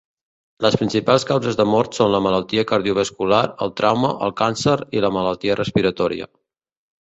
Les principals causes de mort són la malaltia cardiovascular, el trauma, el càncer i la malaltia respiratòria.